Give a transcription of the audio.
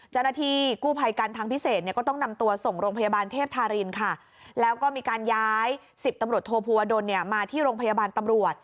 เจ้าหน้าที่กู้ภัยกันทางพิเศษเนี่ยก็ต้องนำตัวส่งโรงพยาบาลเทพธารินค่ะแล้วก็มีการย้าย๑๐ตำรวจโทภูวดลมาที่โรงพยาบาลตำรวจ